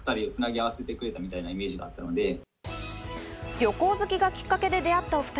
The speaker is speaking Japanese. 旅行好きがきっかけで出会ったお２人。